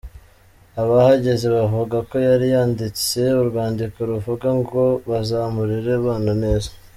Abahageze bavuga ko yari yanditse urwandiko ruvuga ngo bazamurere abana neza.